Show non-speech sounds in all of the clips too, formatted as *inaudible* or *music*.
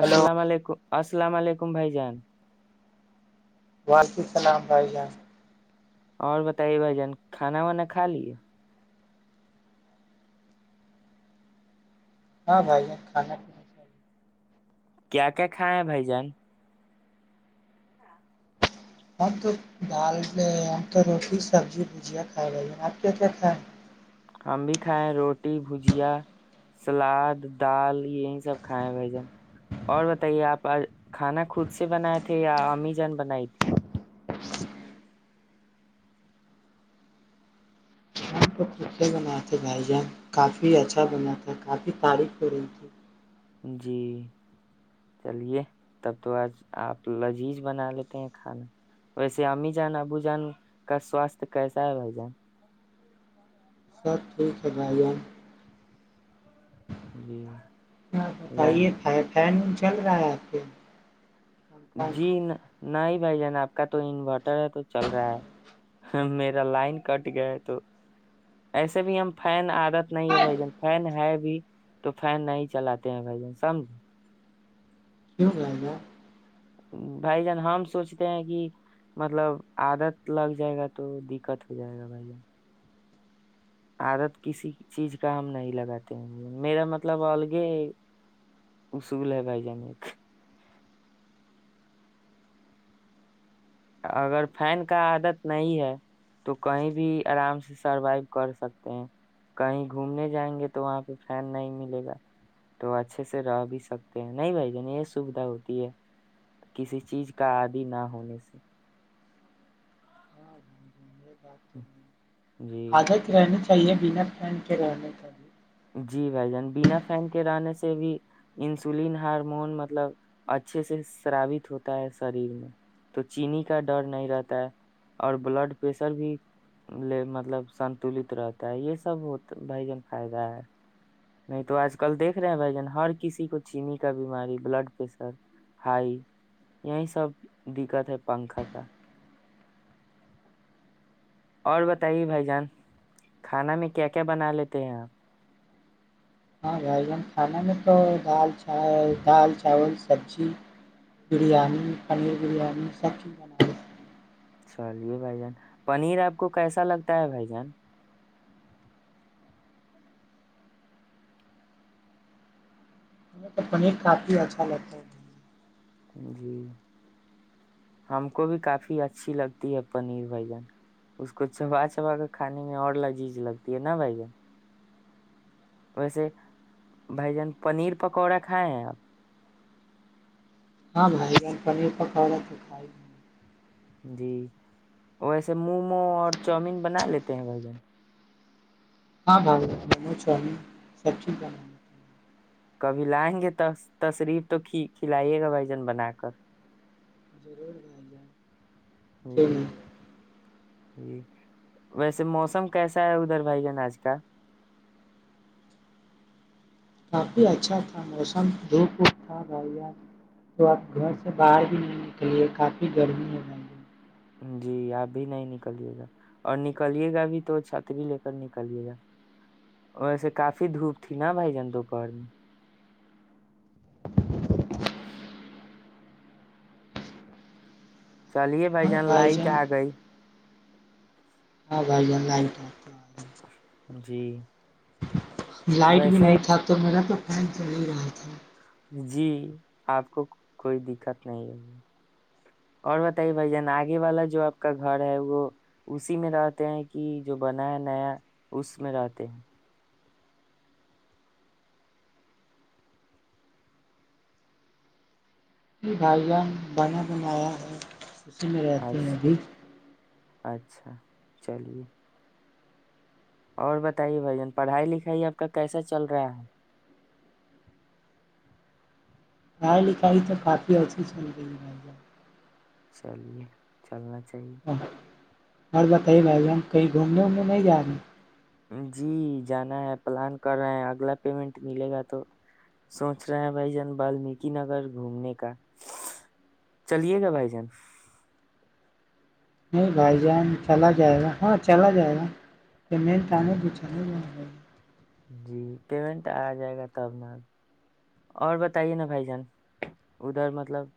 hello علیکم السلام علیکم بھائی جان وعلیکم السلام بھائی جان اور بتائیے بھ جان کھانا وانا کھا لیے ہاں بھائی یہ کھانا پینا چاہیے کیا کیا کھا ہیں بھائی جان ہم تو دال تو روٹی سبزی بجیا کھائے ب آپ کیا کیا کھائے نا ہم بھی کھائےیں روٹی بھجیا سلاد دال یہی سب کھائے بھائی جان اور بتائیے آپ کھانا خود سے بنائے تھے یا امی جان بنائی تھی اے بنائے تھے بھائی جان کافی اچھا بنا تھا کافی تعریف ہو رہی تھی جی چلیے تب تو آج آپ لذیذ بنا لیتے ہیں کھانا ویسے امی جان ابو جان کا سواستھ کیسا ہے بھائی جان سب ٹھیک ہے بھائی جان جی ہاں رہ- بتائیے کائے فین چل رہا ہے آپ کے کام کیوں جین نہیں بھائی جان آپ کا تو انورٹر ہے تو چل رہا ہے میرا لائن کٹ گیا ہے تو ایسے بھی ہم فین عادت نہیں ہے بھائی جان فین ہے بھی تو فین نہیں چلاتے ہیں بھائی جان سمجھ *inaudible* بھائی جان ہم سوچتے ہیں کہ مطلب عادت لگ جائے گا تو دقت ہو جائے گا بھائی جان عادت کسی چیز کا ہم نہیں لگاتے ہیں بھ میرا مطلب الگ اصول ہے بھائی جان ایک اگر فین کا عادت نہیں ہے تو کہیں بھی آرام سے سروائو کر سکتے ہیں کہیں گھومنے جائیں گے تو وہاں پہ فین نہیں ملے گا تو اچھے سے رہ بھی سکتے ہیں نہیں بھائی جان یہ سویدھا ہوتی ہے کسی چیز کا عادی نہ ہونے سے ہاں بھائی جان، یہ بات تو ہے جی عادت رہنے کہیے بنا پھن کے رہنے چاہیے جی بھائی جان بنا فین کے رہنے سے بھی انسولین ہارمون مطلب اچھے سے شرابت ہوتا ہے شریر میں تو چینی کا ڈر نہیں رہتا ہے اور بلڈ پریشر بھیے مطلب سنتولت رہتا ہے یہ سب ہوتا بھائی جان فائدہ ہے نہیں تو آج کل دیکھ رہے ہیں بھائی جان ہر کسی کو چینی کا بیماری بلڈ پریشر ہائی یہی سب دقت ہے پنکھا کا اور بتائیے بھائی جان کھانا میں کیا کیا بنا لیتے ہیں آپ ہاں بھائی جان کھانے میں تو دال چ دال چاول سبزی بریانی پنیر بریانی سب چیز بنا دی ہیں چلیے بھائی جان پنیر آپ کو کیسا لگتا ہے بھائی جان تو پنیر کافی اچھا لگتا ہے جی ہم کو بھی کافی اچھی لگتی ہے پنیر بھ جن اس کو چبا چبا کر کھانے میں اور لذیذ لگتی ہے نا بھ جن ویسے بھائی جان پنیر پکوڑا کھائے ہیں آپ ہاں بھائی گ پنیر پکوڑا تو کھائی جی ویسے مومو اور چاؤومین بنا لیتے ہیں بھائی جن ہاں ب ممو سبیک ہے کبھی لائیں گے تشریف تو ک کھلائیے گا بھائی جن بنا کر اچ رور گ ج ہ جی ویسے موسم کیسا ہے ادھر بھائی جن آج کا کافی اچھا تھا موسم دھوپ وھوک تھا بایا تو آپ گھر سے باہر بھی نہیں کے لیے کافی گرمی رہئی ہے جی آپ بھی نہیں نکلیے گا اور نکلیے گا بھی تو چھتری لے کر نکلیے گا ویس کافی دھوپ تھی نا بھائی جان دوپہر میں چلیے بھائی جان لائٹ آ گئی ہاں بائی ال ل جی لائٹ بھی ویسے نہیں تھا تو میرا تو ران چللی رہ تھ جی آپ کو کوئی دقت نہیں ہوگی اور بتائیے بھائی جان آگے والا جو آپ کا گھر ہے وہ اسی میں رہتے ہیں کہ جو بنا ہے نیا اس میں رہتے ہیں ج بھائی جان بنا بنایا ہے اسی میں رہتے ہیں اچھا بیچ اچھا چلیے اور بتائیے بھ جان پڑھائی لکھائی آپ کا کیسا چل رہا ہے پڑھائی لکھائی تو کافی اچھی چل رہی ہے ب چلیے چلنا چاہیے ہاں، اور بتائیے بھائی ج ہم کہیں گھومنے وومنے نہیں جا رہے جی جانا ہے پلان کر رہے ہیں اگلا پیمنٹ ملے گا تو سوچ رہے ہیں بھائی جان بالمیک نگر گھومنے کا چلیے گا بھائی جان نہیں بھائی جان چلا جائے گا ہاں چلا جائے گا جمین تان جی گچھان نہیں ہے جی پیمنٹ آ جائے گا تب ن اور بتائیے نا بھائی جان ادھر مطلب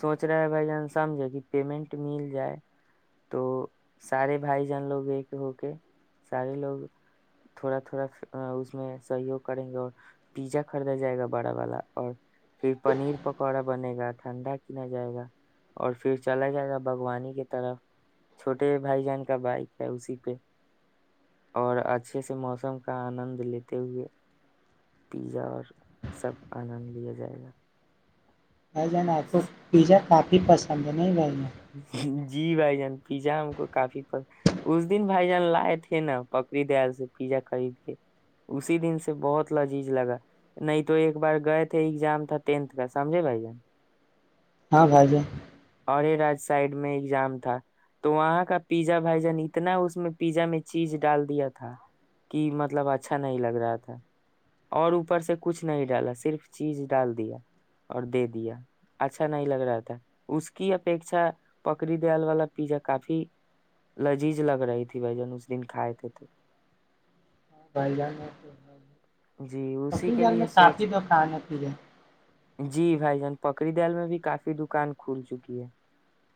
سوچ رہے ہے بھائی جان سمجے کہ پیمنٹ مل جائے تو سارے بھائی جان لوگ ایک ہو کے سارے لوگ تھوڑا تھوڑا اس میں سہیوگ کریں گے اور پیزا خریدا جائے گا بڑا والا اور پھر پنیر پکوڑا بنے گا ٹھنڈا کینا جائے گا اور پھر چلا جائے گا باوانی کے طرف چھوٹے بھائی جان کا بائک ہے اسی پہ اور اچھے سے موسم کا آنند لیتے ہوئے پیزا اور سب آنند لیا جائے گا ب جانا آپ کو پیزا ک حیفاظام ب نہیںائی با *inaudible* جی بھائی جان پیزا ہم کو کافی اس دن بھائی جان لائے تھے نا پکڑری دیال سے پیزا خرید کے اسی دن سے بہت لذیذ لگا نہیں تو ایک بار گئے تھے ایگزام تھا ٹینھ کا سمجھے بھائی جان ہاں بھائی جی اورا *inaudible* سائڈ میں ایزام تھا تو وہاں کا پیزا بھائی جان اتنا اس میں پیزا میں چیز ڈال دیا تھا کہ مطلب اچھا نہیں لگ رہا تھا اور اوپر سے کچھ نہیں ڈالا صرف چیز ڈال دیا اور دے دیا اچھا نہیں لگ رہا تھا اس کی اپیکھا پکری دیال والا پیزا کافی لذیذ لگ رہی تھی بھائی جان اس دن کھائے تھے تو بھائی جان میں جی اسی کے لیے سوچ کافی تو کھانانا پے جی بھائی جان پکی دال میں بھی کافی دکان کھل چکی ہے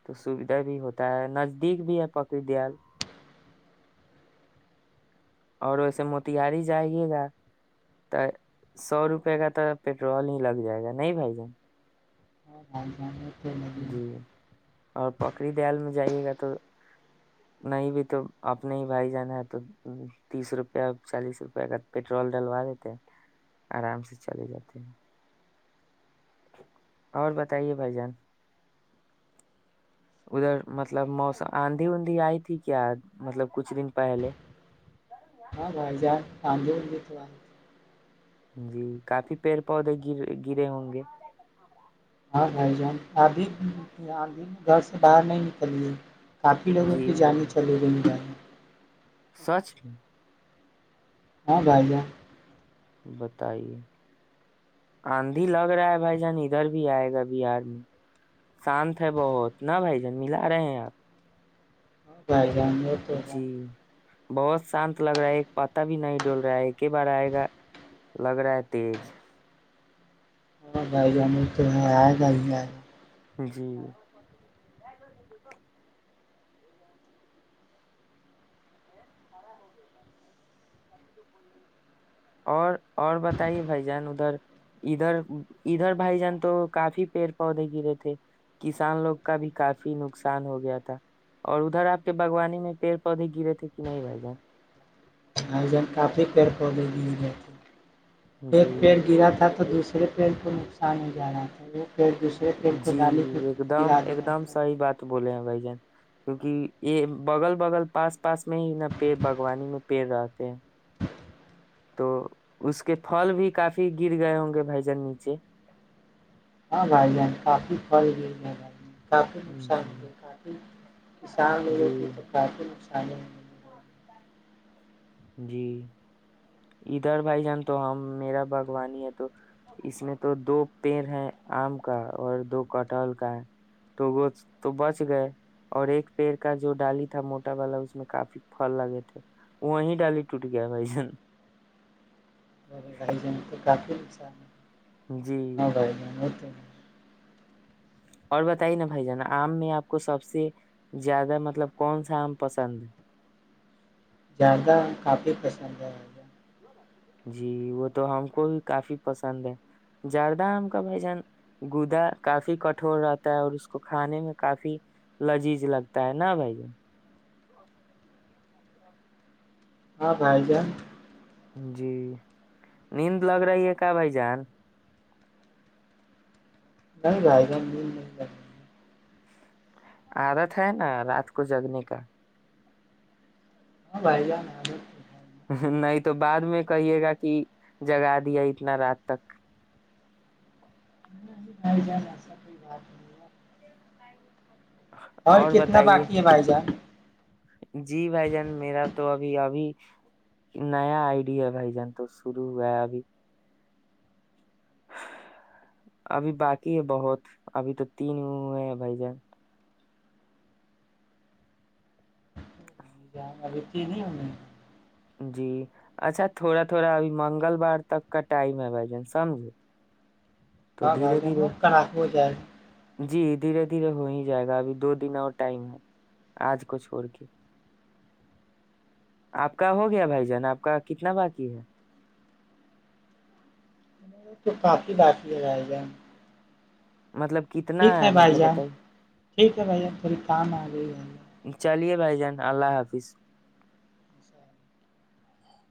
تو سوھا بھی ہوتا ہے نزدیک بھی ہے پقی دیال اور ویسے موتیہاری جائےے گا تو سو روپئے کا تو پیٹرول ہی لگ جائے گا نہیں بھائی جان اور ب جان تو جی *inaudible* اور پکری دیال میں جائیے گا تو نہیں بھی تو اپنے ہی بھائی جانا ہے تو تیس روپیہ چالیس روپیہ کا پیٹرول ڈلوا دیتے ہیں آرام سے چلے جاتے ہیں اور بتائیے بھائی جان ادھر مطلب موسم آندھی اندھی آئی تھی کیا مطلب کچھ دن پہلے ہاں بھائی جائے آاند بھی بیھ ہے جی کافی پیڑ پودے گر گرے ہوں گے ہاں بھائی جان آدھید گھر سے باہر نہیں نکل ہے کافی لوگوں جی کی بھائی جانے جان چلیے گئی ہیں گاڑی سچ ہاں بائی گا بتائیے آندھی لگ رہا ہے بھائی جان ادھر بھی آئے گا بہار میں شانت ہے بہت ن بھائی جان ملا رہے ہیں آپ ہاں جائے رانیے تو جی رانی بہت شانت لگ رہا ہے ایک پتا بھی نہیں ڈول رہا ہے ایک ہی بار آئے گا لگ رہا ہے تیز بھائی جانے تو آئے گا ہی آئے گا جی اور اور بتائیے بھائی جان ادھر ادھر ادھر بھائی جان تو کافی پیڑ پودے گرے تھے کسان لوگ کا بھی کافی نقصان ہو گیا تھا اور ادھر آپ کے باگوانی میں پیڑ پودے گرے تھے کہ نہیں بھائی جان آائی جن کافی پیڑ پ ل لیے رہ تھ ایک جی پیڑ گرا تھا تو دوسرا صر پینٹ کو نقصان ہو جا رہا تھا وہ پیڑ دوسرے پیڑ کو جی ڈالی کو ایک دم گرا دے ایک رہا دم تھا صحیح بات بولے ہیں بھائی جان کیونکہ یہ بغل بغل پاس پاس میں ہی نا پڑ باوانی میں پیڑ رہتے ہیں تو اس کے پھل بھی کافی گر گئے ہوں گے بھائی جان نیچے ہاں بھائی ج کافی فل گئی ہے بھائی کافل جی مسانیے کافل کسان لوگوں جی کی تو کافی نصان ا *inaudible* جی ادھر بھائی جان تو ہم میرا باغوانی ہے تو اس میں تو دو پیڑ ہے آم کا اور دو کٹہل کا ہے تو وہ تو بچ گئے اور ایک پیڑ کا جو ڈالی تھا موٹا والا اس میں کافی پھل لگے تھے وہیں ڈالی ٹوٹ گیا م جن اورے رہائیج تو کافل سان جی ہ موت *inaudible* *unintelligible* اور بتائیے نا بھائی جانا آم میں آپ کو سب سے زیادہ مطلب کون سا آم پسند زیادہ کافی پسند ہے جی وہ تو ہم کو بھی کافی پسند ہے زردہ آ ہم کا بھ جان گودا کافی کٹھور رہتا ہے اور اس کو کھانے میں کافی لذیذ لگتا ہے نا بھائی جن ہاں بھائی جان جی نیند لگ رہی ہے کیا بھائی جان نہیں رہائے گ نہیں عادت ہے نا رات کو جگنے کا ہاں بھائی ج نہیں تو بعد میں کہیے گا کہ جگا دیا اتنا رات تک ائی جان ایسا کوئی بات نہیں ہے اور کتنا باقی ہے بھائی جان جی بھائی جان میرا تو ابھی ابھی نیا آئیڈیا ہے بھائی جان تو شروع ہوا ہے ابھی ابھی باقی ہے بہت ابھی تو تین ہیں ہیں بھائی جان کیا اب ت نہیں ہو میں *unintelligible* جی اچھا تھوڑا تھوڑا ابھی منگل بار تک کا ٹائم ہے بھ جان سمجھے تو ہ گھر دھیرے ج دھیرے ک کو ب جائے جی دھیرے دھیرے ہو ہی جائے گا ابھی دو دن اور ٹائم ہے آج کو چھوڑ کے آپ کا ہو گیا بھائی جان آپ کا کتنا باقی ہے گا تو کافی باق ل جائے گا ہم مطلب کتنا ٹھیک ہے بھائی مطلب جان بتائیے ٹھیک ہے بھائی جان تھوڑی کام آ گئی ہے بھائی بائی جان اللہ حافظ جان *inaudible*